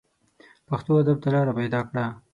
پښتو ادب ته لاره پیدا کړه